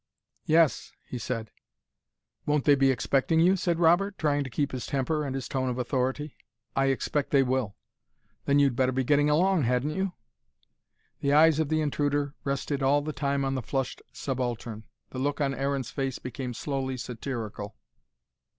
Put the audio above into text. "Yes," he said. "Won't they be expecting you?" said Robert, trying to keep his temper and his tone of authority. "I expect they will " "Then you'd better be getting along, hadn't you?" The eyes of the intruder rested all the time on the flushed subaltern. The look on Aaron's face became slowly satirical.